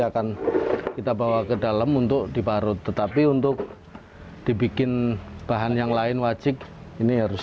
akan kita bawa ke dalam untuk diparut tetapi untuk dibikin bahan yang lain wajib ini harus